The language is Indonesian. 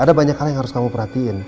ada banyak hal yang harus kamu perhatiin